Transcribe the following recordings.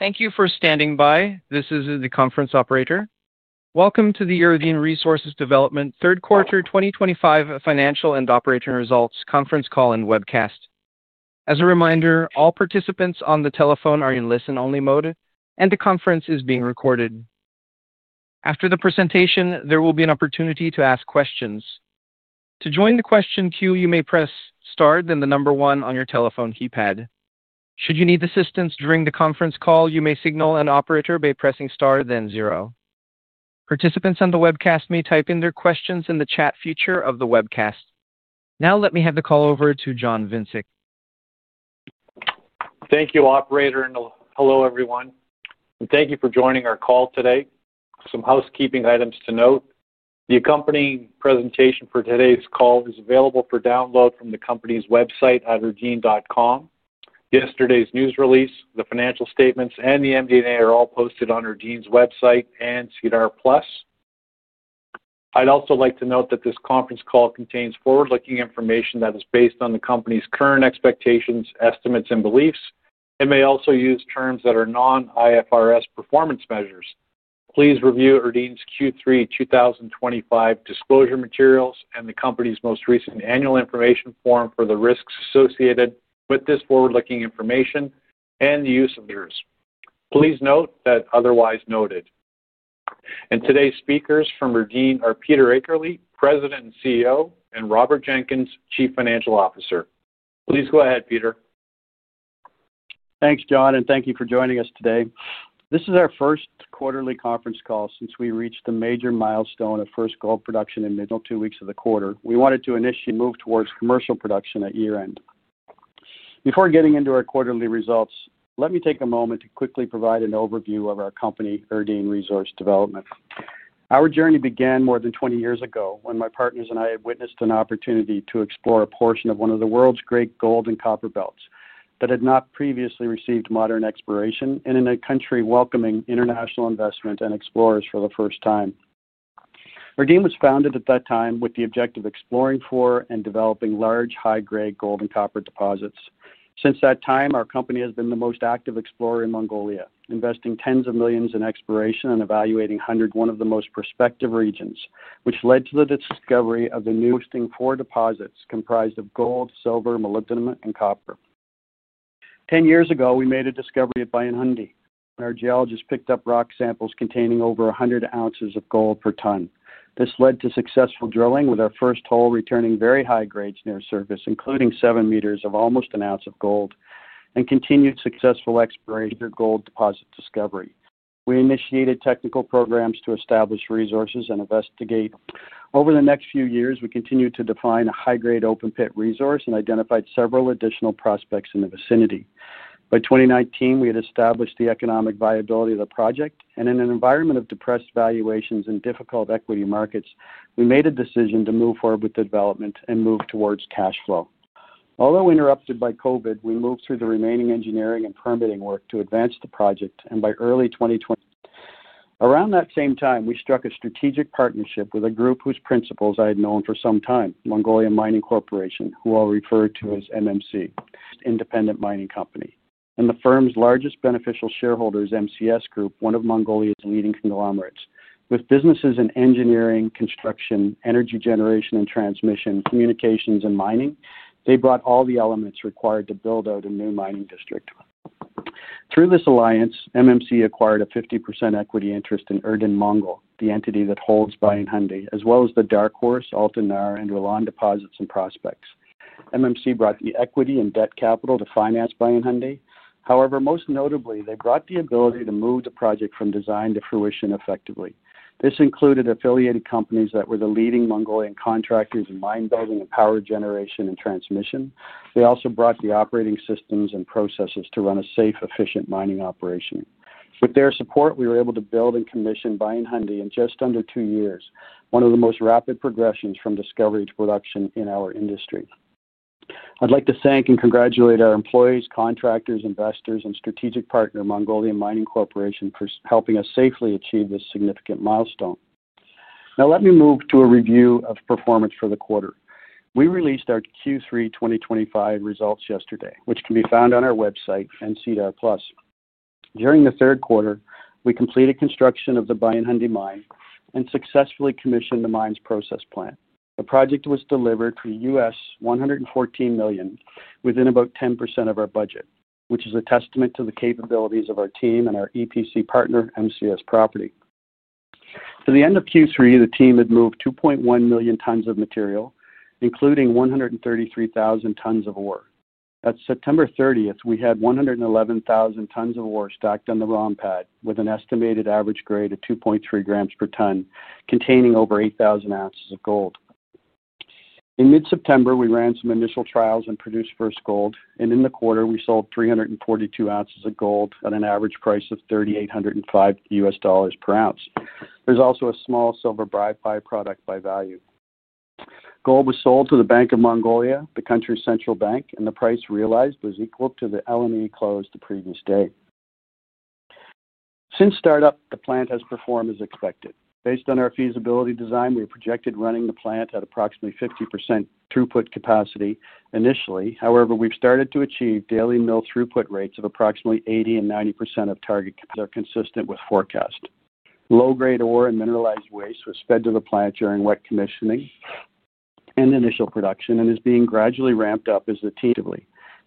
Thank you for standing by. This is the conference operator. Welcome to the Erdene Resource Development Q3 2025 Financial and Operating Results Conference Call and Webcast. As a reminder, all participants on the telephone are in listen-only mode, and the conference is being recorded. After the presentation, there will be an opportunity to ask questions. To join the question queue, you may press Star then the number one on your telephone keypad. Should you need assistance during the conference call, you may signal an operator by pressing Star then zero. Participants on the webcast may type in their questions in the chat feature of the webcast. Now, let me hand the call over to John Vincik. Thank you, Operator, and hello everyone. Thank you for joining our call today. Some housekeeping items to note: the accompanying presentation for today's call is available for download from the company's website at erdene.com. Yesterday's news release, the financial statements, and the MD&A are all posted on Erdene's website and SEDAR+. I'd also like to note that this conference call contains forward-looking information that is based on the company's current expectations, estimates, and beliefs, and may also use terms that are non-IFRS performance measures. Please review Erdene's Q3 2025 disclosure materials and the company's most recent annual information form for the risks associated with this forward-looking information and the use of measures. Please note that unless otherwise noted. Today's speakers from Erdene are Peter Akerley, President and CEO, and Robert Jenkins, Chief Financial Officer. Please go ahead, Peter. Thanks, John, and thank you for joining us today. This is our first quarterly conference call since we reached the major milestone of first gold production in the middle two weeks of the quarter. We wanted to initiate a move towards commercial production at year-end. Before getting into our quarterly results, let me take a moment to quickly provide an overview of our company, Erdene Resource Development. Our journey began more than 20 years ago when my partners and I had witnessed an opportunity to explore a portion of one of the world's great gold and copper belts that had not previously received modern exploration and in a country welcoming international investment and explorers for the first time. Erdene was founded at that time with the objective of exploring for and developing large high-grade gold and copper deposits. Since that time, our company has been the most active explorer in Mongolia, investing tens of millions in exploration and evaluating one of the most prospective regions, which led to the discovery of the newest four deposits comprised of gold, silver, molybdenum, and copper. Ten years ago, we made a discovery at Bayan Khundii. Our geologist picked up rock samples containing over 100 ounces of gold per ton. This led to successful drilling, with our first hole returning very high grades near surface, including seven meters of almost an ounce of gold, and continued successful exploration of gold deposit discovery. We initiated technical programs to establish resources and investigate. Over the next few years, we continued to define a high-grade open-pit resource and identified several additional prospects in the vicinity. By 2019, we had established the economic viability of the project, and in an environment of depressed valuations and difficult equity markets, we made a decision to move forward with the development and move towards cash flow. Although interrupted by COVID, we moved through the remaining engineering and permitting work to advance the project, and by early 2020. Around that same time, we struck a strategic partnership with a group whose principals I had known for some time, Mongolian Mining Corporation, who I'll refer to as MMC, Independent Mining Company. The firm's largest beneficial shareholder is MCS Group, one of Mongolia's leading conglomerates. With businesses in engineering, construction, energy generation and transmission, communications, and mining, they brought all the elements required to build out a new mining district. Through this alliance, MMC acquired a 50% equity interest in Erdenet Mongo LLCl, the entity that holds Bayan Khundii, as well as the Dark Horse, Altan Nar, and Rilan deposits and prospects. MMC brought the equity and debt capital to finance Bayan Khundii. However, most notably, they brought the ability to move the project from design to fruition effectively. This included affiliated companies that were the leading Mongolian contractors in mine building and power generation and transmission. They also brought the operating systems and processes to run a safe, efficient mining operation. With their support, we were able to build and commission Bayan Khundii in just under two years, one of the most rapid progressions from discovery to production in our industry. I'd like to thank and congratulate our employees, contractors, investors, and strategic partner, Mongolian Mining Corporation, for helping us safely achieve this significant milestone. Now, let me move to a review of performance for the quarter. We released our Q3 2025 results yesterday, which can be found on our website and SEDAR+. During the third quarter, we completed construction of the Bayan Khundii mine and successfully commissioned the mine's process plant. The project was delivered for $114 million within about 10% of our budget, which is a testament to the capabilities of our team and our EPC partner, MCS Group. To the end of Q3, the team had moved 2.1 million tons of material, including 133,000 tons of ore. At September 30, we had 111,000 tons of ore stocked on the ROM pad with an estimated average grade of 2.3 grams per ton, containing over 8,000 ounces of gold. In mid-September, we ran some initial trials and produced first gold, and in the quarter, we sold 342 ounces of gold at an average price of $3,805 per ounce. There is also a small silver byproduct by value. Gold was sold to the Bank of Mongolia, the country's central bank, and the price realized was equal to the L&E close the previous day. Since startup, the plant has performed as expected. Based on our feasibility design, we projected running the plant at approximately 50% throughput capacity initially. However, we have started to achieve daily mill throughput rates of approximately 80-90% of target, which are consistent with forecast. Low-grade ore and mineralized waste was fed to the plant during wet commissioning. Initial production is being gradually ramped up as the team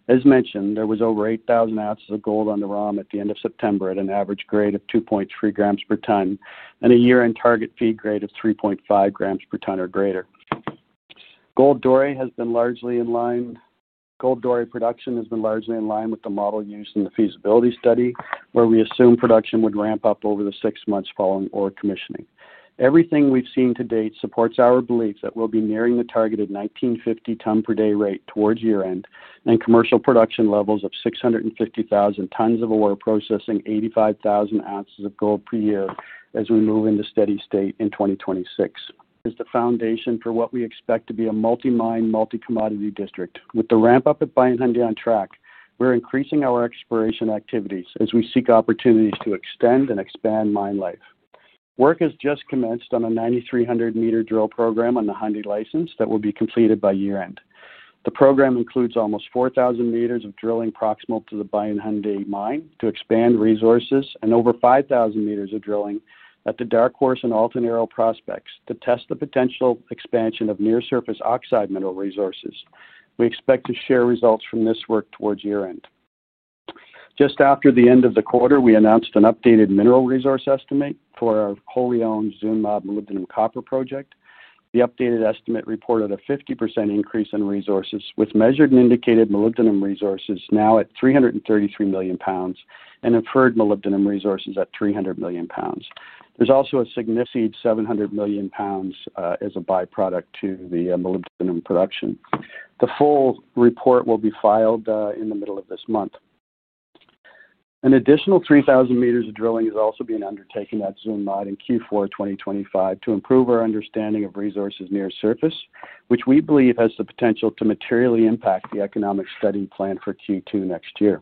actively. As mentioned, there was over 8,000 ounces of gold on the Rilan at the end of September at an average grade of 2.3 grams per ton and a year-end target feed grade of 3.5 grams per ton or greater. Gold doré has been largely in line. Gold doré production has been largely in line with the model used in the feasibility study, where we assume production would ramp up over the six months following ore commissioning. Everything we've seen to date supports our belief that we'll be nearing the targeted 1,950 ton per day rate towards year-end and commercial production levels of 650,000 tons of ore processing 85,000 ounces of gold per year as we move into steady state in 2026. Is the foundation for what we expect to be a multi-mine, multi-commodity district. With the ramp-up at Bayan Khundii on track, we're increasing our exploration activities as we seek opportunities to extend and expand mine life. Work has just commenced on a 9,300-meter drill program on the Khundii license that will be completed by year-end. The program includes almost 4,000 meters of drilling proximal to the Bayan Khundii mine to expand resources and over 5,000 meters of drilling at the Dark Horse and Altan Nar prospects to test the potential expansion of near-surface oxide mineral resources. We expect to share results from this work towards year-end. Just after the end of the quarter, we announced an updated mineral resource estimate for our wholly-owned Zuun Mod molybdenum copper project. The updated estimate reported a 50% increase in resources, with measured and indicated molybdenum resources now at 333 million pounds and inferred molybdenum resources at 300 million pounds. There's also a significant 700 million pounds as a byproduct to the molybdenum production. The full report will be filed in the middle of this month. An additional 3,000 meters of drilling is also being undertaken at Zuun Mod in Q4 2025 to improve our understanding of resources near surface, which we believe has the potential to materially impact the economic study plan for Q2 next year.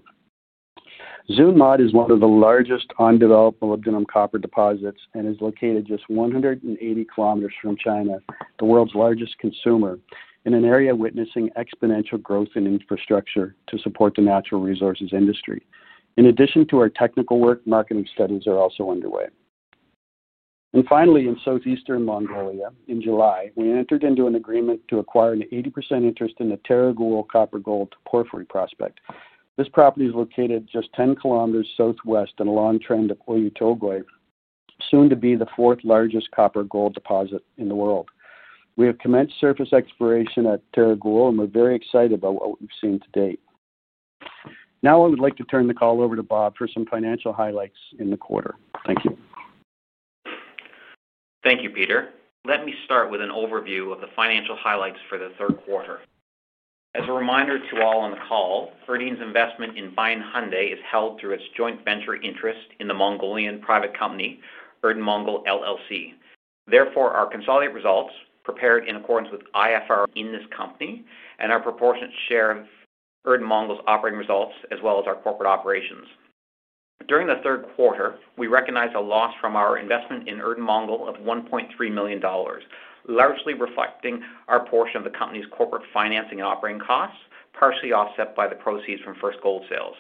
Zuun Mod is one of the largest on-development molybdenum copper deposits and is located just 180 kilometers from China, the world's largest consumer, in an area witnessing exponential growth in infrastructure to support the natural resources industry. In addition to our technical work, marketing studies are also underway. Finally, in southeastern Mongolia, in July, we entered into an agreement to acquire an 80% interest in the Tereg Uul copper-gold porphyry prospect. This property is located just 10 kilometers southwest on a long trend of Oyu Tolgoi, soon to be the fourth-largest copper gold deposit in the world. We have commenced surface exploration at Tereg Uul, and we're very excited about what we've seen to date. Now, I would like to turn the call over to Bob for some financial highlights in the quarter. Thank you. Thank you, Peter. Let me start with an overview of the financial highlights for the third quarter. As a reminder to all on the call, Erdene's investment in Bayan Khundii is held through its joint venture interest in the Mongolian private company, Erdenet Mongol LLC. Therefore, our consolidated results are prepared in accordance with IFRS in this company and our proportionate share of Erdenet Mongol's operating results, as well as our corporate operations. During the third quarter, we recognized a loss from our investment in Erdenet Mongol of $1.3 million, largely reflecting our portion of the company's corporate financing and operating costs, partially offset by the proceeds from first gold sales.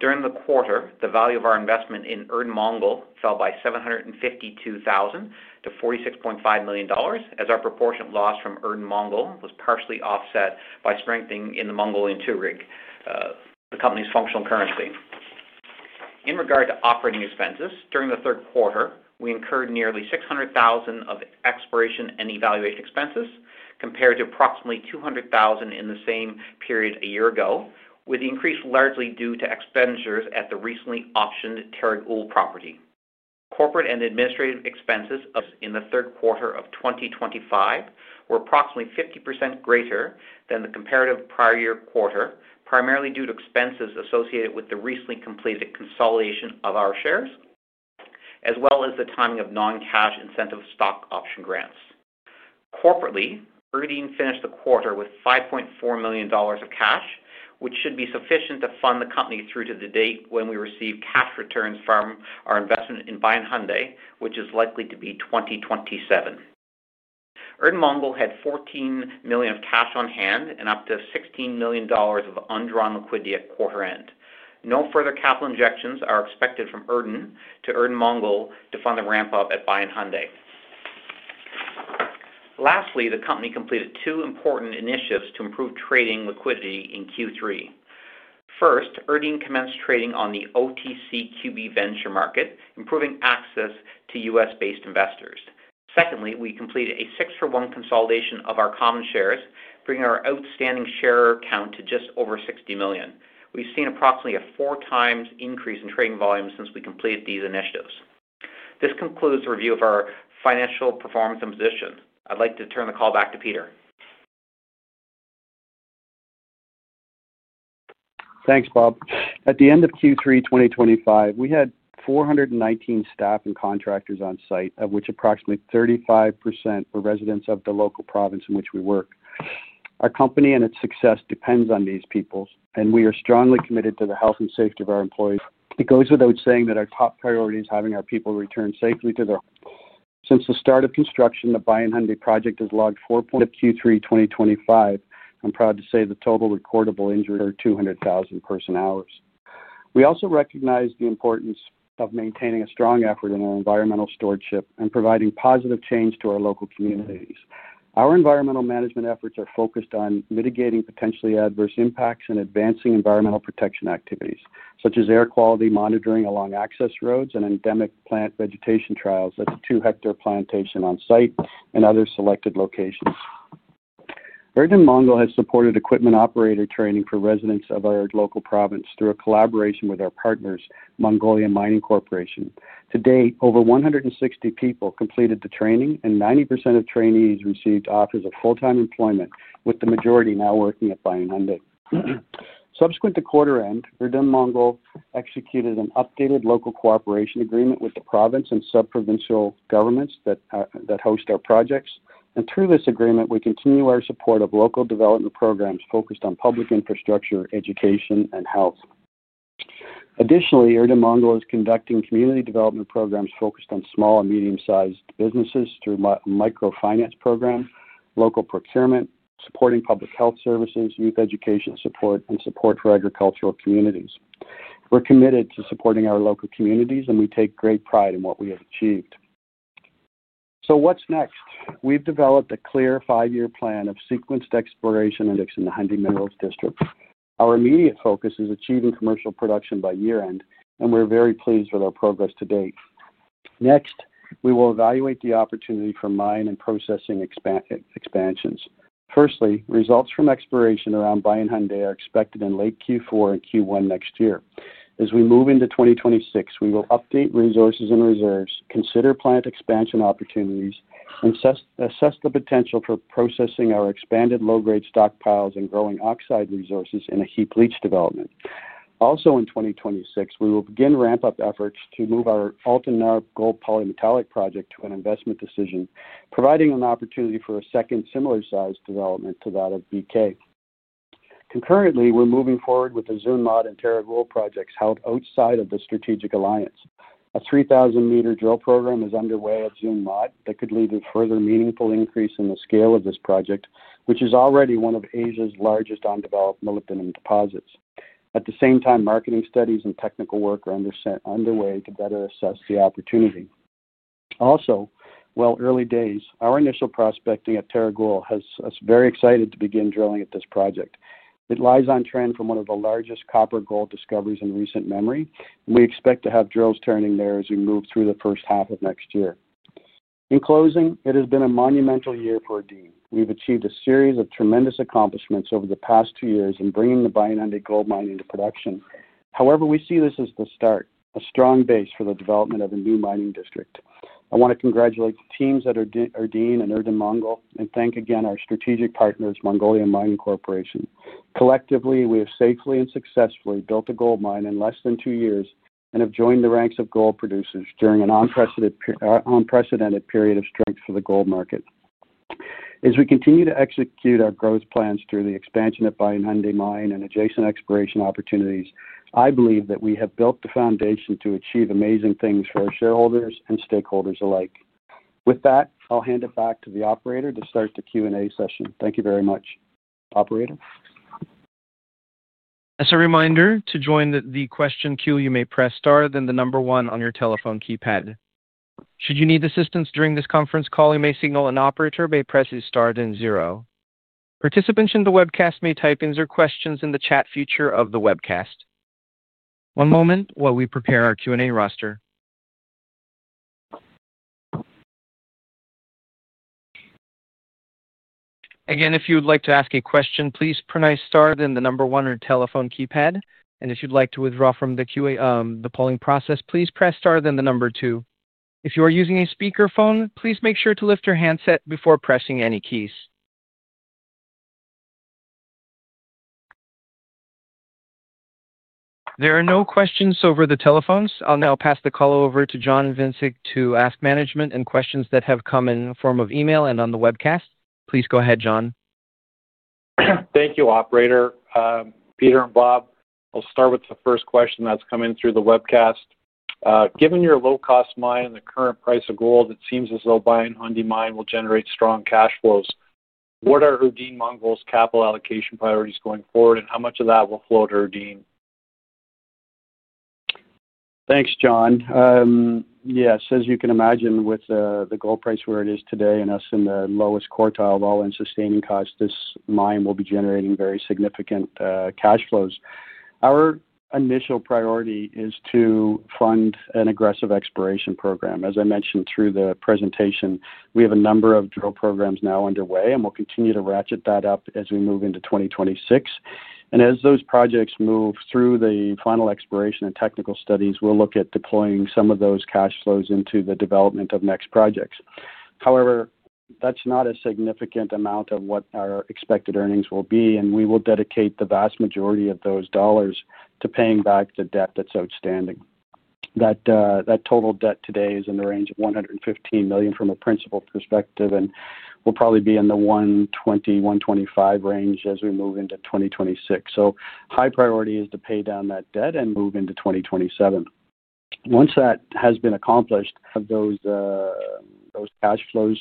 During the quarter, the value of our investment in Erdenet Mongol fell by $752,000 to $46.5 million, as our proportionate loss from Erdenet Mongol was partially offset by strengthening in the Mongolian tugrik, the company's functional currency. In regard to operating expenses, during the third quarter, we incurred nearly $600,000 of exploration and evaluation expenses compared to approximately $200,000 in the same period a year ago, with the increase largely due to expenditures at the recently auctioned Tereg Uul property. Corporate and administrative expenses in the third quarter of 2025 were approximately 50% greater than the comparative prior year quarter, primarily due to expenses associated with the recently completed consolidation of our shares, as well as the timing of non-cash incentive stock option grants. Corporately, Erdene finished the quarter with $5.4 million of cash, which should be sufficient to fund the company through to the date when we receive cash returns from our investment in Bayan Khundii, which is likely to be 2027. Erdenet Mongol had $14 million of cash on hand and up to $16 million of undrawn liquidity at quarter end. No further capital injections are expected from Erdene to Erdenet Mongol to fund the ramp-up at Bayan Khundii. Lastly, the company completed two important initiatives to improve trading liquidity in Q3. First, Erdene commenced trading on the OTCQB Venture Market, improving access to US-based investors. Secondly, we completed a six-for-one consolidation of our common shares, bringing our outstanding share count to just over 60 million. We've seen approximately a four-times increase in trading volume since we completed these initiatives. This concludes the review of our financial performance and position. I'd like to turn the call back to Peter. Thanks, Bob. At the end of Q3 2025, we had 419 staff and contractors on site, of which approximately 35% were residents of the local province in which we work. Our company and its success depends on these people, and we are strongly committed to the health and safety of our employees. It goes without saying that our top priority is having our people return safely to their. Since the start of construction, the Bayan Khundii project has logged four points of Q3 2025. I'm proud to say the total recordable injuries are 200,000 person-hours. We also recognize the importance of maintaining a strong effort in our environmental stewardship and providing positive change to our local communities. Our environmental management efforts are focused on mitigating potentially adverse impacts and advancing environmental protection activities, such as air quality monitoring along access roads and endemic plant vegetation trials at the two-hectare plantation on site and other selected locations. Erdenet Mongol has supported equipment operator training for residents of our local province through a collaboration with our partners, Mongolian Mining Corporation. To date, over 160 people completed the training, and 90% of trainees received offers of full-time employment, with the majority now working at Bayan Khundii. Subsequent to quarter end, Erdenet Mongol executed an updated local cooperation agreement with the province and sub-provincial governments that host our projects. Through this agreement, we continue our support of local development programs focused on public infrastructure, education, and health. Additionally, Erdenet Mongol is conducting community development programs focused on small and medium-sized businesses through microfinance programs, local procurement, supporting public health services, youth education support, and support for agricultural communities. We're committed to supporting our local communities, and we take great pride in what we have achieved. What's next? We've developed a clear five-year plan of sequenced exploration in the Khundii Minerals District. Our immediate focus is achieving commercial production by year-end, and we're very pleased with our progress to date. Next, we will evaluate the opportunity for mine and processing expansions. Firstly, results from exploration around Bayan Khundii are expected in late Q4 and Q1 next year. As we move into 2026, we will update resources and reserves, consider plant expansion opportunities, and assess the potential for processing our expanded low-grade stockpiles and growing oxide resources in a heap leach development. Also, in 2026, we will begin ramp-up efforts to move our Altan Nar gold polymetallic project to an investment decision, providing an opportunity for a second similar-sized development to that of BK. Concurrently, we're moving forward with the Zuun Mod and Tereg Uul projects held outside of the strategic alliance. A 3,000-meter drill program is underway at Zuun Mod that could lead to further meaningful increase in the scale of this project, which is already one of Asia's largest on-development molybdenum deposits. At the same time, marketing studies and technical work are underway to better assess the opportunity. Also, while early days, our initial prospecting at Tereg Uul has us very excited to begin drilling at this project. It lies on trend from one of the largest copper gold discoveries in recent memory, and we expect to have drills turning there as we move through the first half of next year. In closing, it has been a monumental year for Erdene. We've achieved a series of tremendous accomplishments over the past two years in bringing the Bayan Khundii gold mine into production. However, we see this as the start, a strong base for the development of a new mining district. I want to congratulate the teams at Erdene and Erdenet Mongol and thank again our strategic partners, Mongolian Mining Corporation. Collectively, we have safely and successfully built a gold mine in less than two years and have joined the ranks of gold producers during an unprecedented period of strength for the gold market. As we continue to execute our growth plans through the expansion of Bayan Khundii mine and adjacent exploration opportunities, I believe that we have built the foundation to achieve amazing things for our shareholders and stakeholders alike. With that, I'll hand it back to the operator to start the Q&A session. Thank you very much, operator. As a reminder, to join the question queue, you may press star then the number one on your telephone keypad. Should you need assistance during this conference call, you may signal an operator, may press star then zero. Participants in the webcast may type in their questions in the chat feature of the webcast. One moment while we prepare our Q&A roster. Again, if you would like to ask a question, please press star then the number one on your telephone keypad. If you'd like to withdraw from the polling process, please press star then the number two. If you are using a speakerphone, please make sure to lift your handset before pressing any keys. There are no questions over the telephones. I'll now pass the call over to John Vincik to ask management and questions that have come in the form of email and on the webcast. Please go ahead, John. Thank you, operator. Peter and Bob, I'll start with the first question that's come in through the webcast. Given your low-cost mine and the current price of gold, it seems as though Bayan Khundii mine will generate strong cash flows. What are Erdenet Mongol's capital allocation priorities going forward, and how much of that will flow to Erdene? Thanks, John. Yes, as you can imagine, with the gold price where it is today and us in the lowest quartile of all-in sustaining costs, this mine will be generating very significant cash flows. Our initial priority is to fund an aggressive exploration program. As I mentioned through the presentation, we have a number of drill programs now underway, and we will continue to ratchet that up as we move into 2026. As those projects move through the final exploration and technical studies, we will look at deploying some of those cash flows into the development of next projects. However, that is not a significant amount of what our expected earnings will be, and we will dedicate the vast majority of those dollars to paying back the debt that is outstanding. That total debt today is in the range of $115 million from a principal perspective, and we'll probably be in the $120-$125 million range as we move into 2026. High priority is to pay down that debt and move into 2027. Once that has been accomplished, those cash flows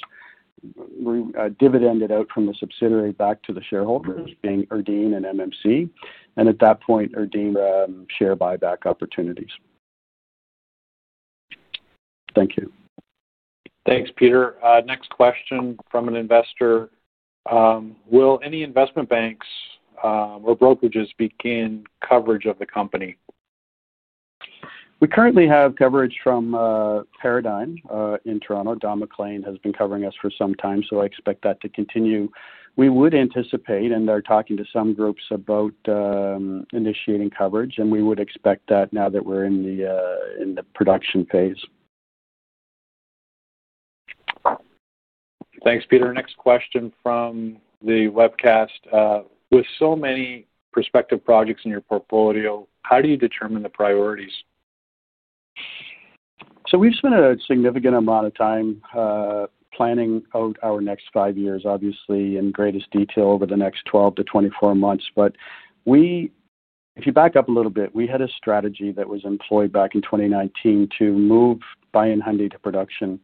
dividended out from the subsidiary back to the shareholders, being Erdene and MMC. At that point, Erdene share buyback opportunities. Thank you. Thanks, Peter. Next question from an investor. Will any investment banks or brokerages begin coverage of the company? We currently have coverage from Paradigm in Toronto. Don McLane has been covering us for some time, so I expect that to continue. We would anticipate and are talking to some groups about initiating coverage, and we would expect that now that we're in the production phase. Thanks, Peter. Next question from the webcast. With so many prospective projects in your portfolio, how do you determine the priorities? We've spent a significant amount of time planning out our next five years, obviously, in greatest detail over the next 12 to 24 months. If you back up a little bit, we had a strategy that was employed back in 2019 to move Bayan Khundii to production.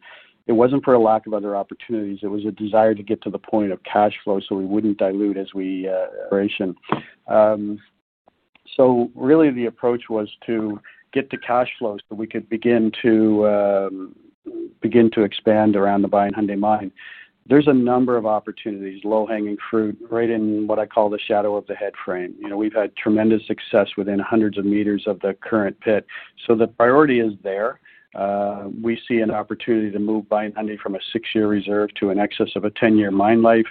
It was not for a lack of other opportunities. It was a desire to get to the point of cash flow so we would not dilute as we operate. Really, the approach was to get the cash flow so we could begin to expand around the Bayan Khundii mine. There are a number of opportunities, low-hanging fruit, right in what I call the shadow of the head frame. We've had tremendous success within hundreds of meters of the current pit. The priority is there. We see an opportunity to move Bayan Khundii from a six-year reserve to in excess of a 10-year mine life.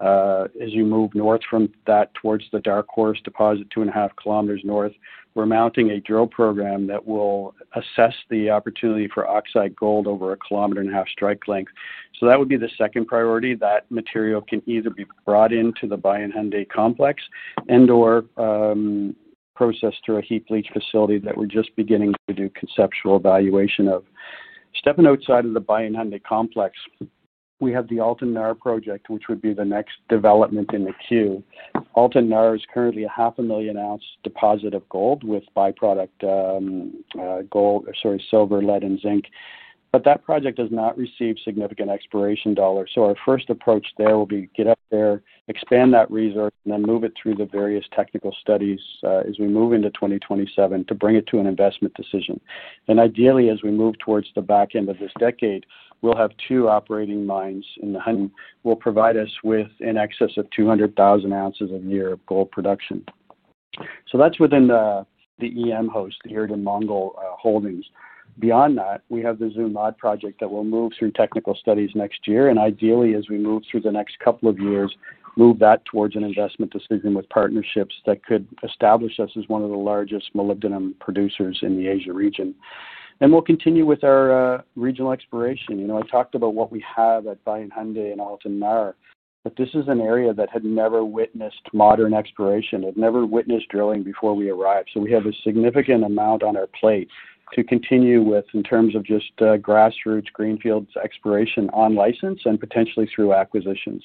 As you move north from that towards the Dark Horse deposit, two and a half kilometers north, we're mounting a drill program that will assess the opportunity for oxide gold over a 1.5 km strike length. That would be the second priority. That material can either be brought into the Bayan Khundii complex and/or processed through a heap leach facility that we're just beginning to do conceptual evaluation of. Stepping outside of the Bayan Khundii complex, we have the Altan Nar project, which would be the next development in the queue. Altan Nar is currently a 500,000 ounce deposit of gold with byproduct silver, lead, and zinc. That project does not receive significant exploration dollars. Our first approach there will be to get up there, expand that resource, and then move it through the various technical studies as we move into 2027 to bring it to an investment decision. Ideally, as we move towards the back end of this decade, we will have two operating mines in the EM host, the Erdenet Mongol holdings, and will provide us with an excess of 200,000 ounces a year of gold production. Beyond that, we have the Zuun Mod project that will move through technical studies next year. Ideally, as we move through the next couple of years, we will move that towards an investment decision with partnerships that could establish us as one of the largest molybdenum producers in the Asia region. We will continue with our regional exploration. I talked about what we have at Bayan Khundii and Altan Nar, but this is an area that had never witnessed modern exploration. It had never witnessed drilling before we arrived. We have a significant amount on our plate to continue with in terms of just grassroots greenfields exploration on license and potentially through acquisitions.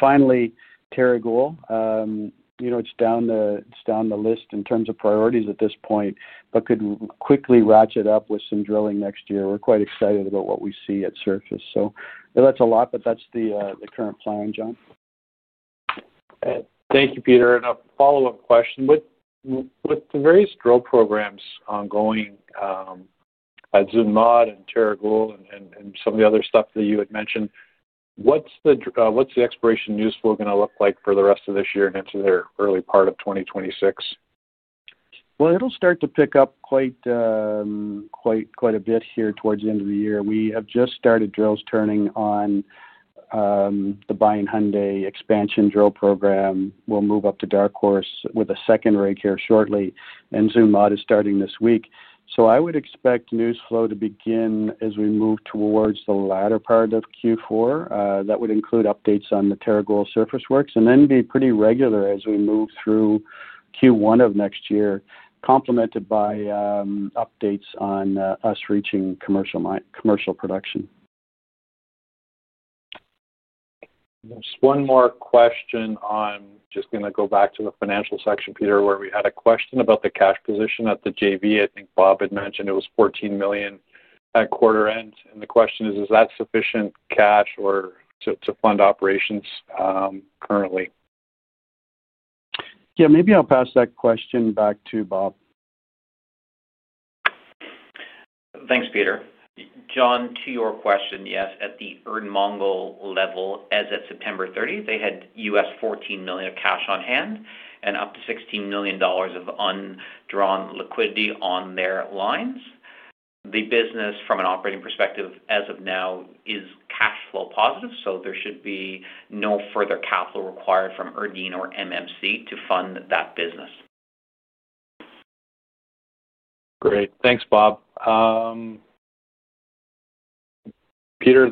Finally, Tereg Uul. It is down the list in terms of priorities at this point, but could quickly ratchet up with some drilling next year. We are quite excited about what we see at surface. That is a lot, but that is the current plan, John. Thank you, Peter. A follow-up question. With the various drill programs ongoing, at Zuun Mod and Tereg Uul and some of the other stuff that you had mentioned, what's the exploration news flow going to look like for the rest of this year and into the early part of 2026? It'll start to pick up quite a bit here towards the end of the year. We have just started drills turning on the Bayan Khundii expansion drill program. We'll move up to Dark Horse with a second rig here shortly, and Zuun Mod is starting this week. I would expect news flow to begin as we move towards the latter part of Q4. That would include updates on the Tereg Uul surface works and then be pretty regular as we move through Q1 of next year, complemented by updates on us reaching commercial production. Just one more question. I'm just going to go back to the financial section, Peter, where we had a question about the cash position at the JV. I think Bob had mentioned it was $14 million at quarter end. And the question is, is that sufficient cash to fund operations currently? Yeah, maybe I'll pass that question back to Bob. Thanks, Peter. John, to your question, yes, at the Erdenet Mongol level, as of September 30th, they had $14 million of cash on hand and up to $16 million of undrawn liquidity on their lines. The business, from an operating perspective as of now, is cash flow positive, so there should be no further capital required from Erdene or MMC to fund that business. Great. Thanks, Bob. Peter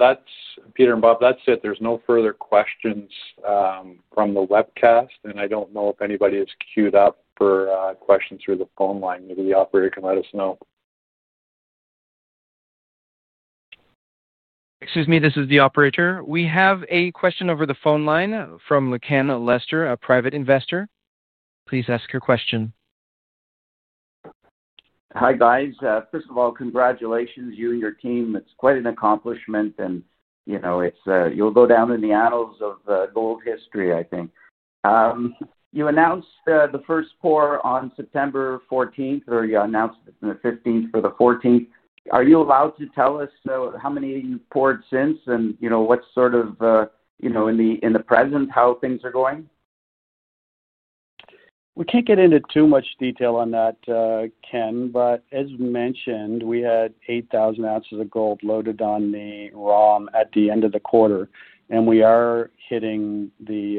and Bob, that's it. There's no further questions from the webcast, and I don't know if anybody is queued up for questions through the phone line. Maybe the operator can let us know. Excuse me, this is the operator. We have a question over the phone line from Lakanna Lester, a private investor. Please ask your question. Hi, guys. First of all, congratulations, you and your team. It's quite an accomplishment, and you'll go down in the annals of gold history, I think. You announced the first pour on September 14th, or you announced the 15th for the 14th. Are you allowed to tell us how many you've poured since and what sort of, in the present, how things are going? We can't get into too much detail on that, Ken, but as mentioned, we had 8,000 ounces of gold loaded on the ROM at the end of the quarter, and we are hitting the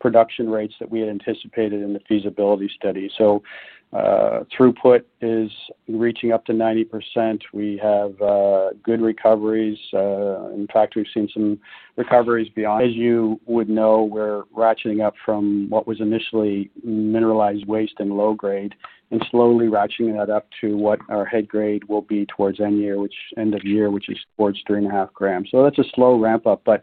production rates that we had anticipated in the feasibility study. Throughput is reaching up to 90%. We have good recoveries. In fact, we've seen some recoveries beyond. As you would know, we're ratcheting up from what was initially mineralized waste and low-grade and slowly ratcheting that up to what our head grade will be towards end of year, which is towards 3.5 grams. That's a slow ramp-up, but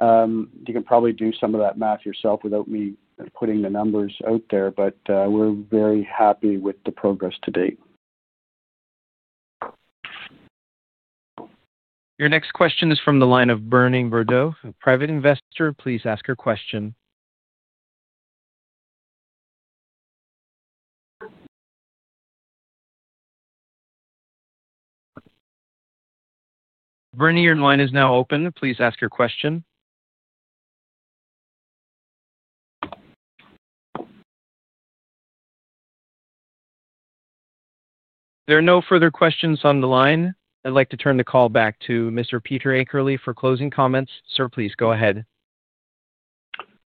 you can probably do some of that math yourself without me putting the numbers out there, but we're very happy with the progress to date. Your next question is from the line of Bernie Verdot, a private investor. Please ask your question. Bernie, your line is now open. Please ask your question. There are no further questions on the line. I'd like to turn the call back to Mr. Peter Akerley for closing comments. Sir, please go ahead.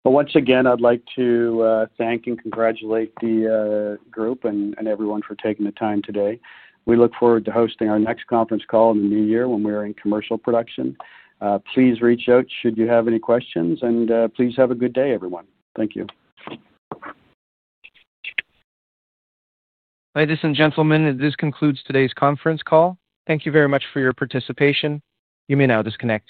Once again, I'd like to thank and congratulate the group and everyone for taking the time today. We look forward to hosting our next conference call in the new year when we are in commercial production. Please reach out should you have any questions, and please have a good day, everyone. Thank you. Ladies and gentlemen, this concludes today's conference call. Thank you very much for your participation. You may now disconnect.